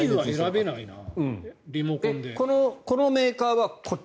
このメーカーはこっち